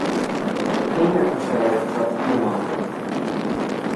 The painter considered for a few moments.